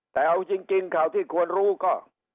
แต่เอาจริงข่าวที่ควรรู้ก็